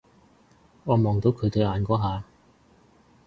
我望到佢對眼嗰下